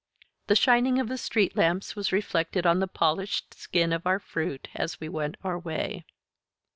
The shining of the street lamps was reflected on the polished skin of our fruit as we went our way.